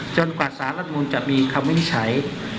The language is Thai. จนกว่าสารับนูลจะมีคำวินิจฉัย